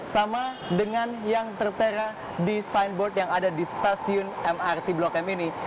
sama dengan yang tertera di signboard yang ada di stasiun mrt blok m ini